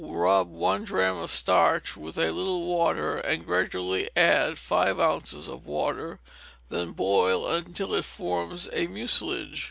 Rub one drachm of starch with a little water, and gradually add five ounces of water, then boil until it forms a mucilage.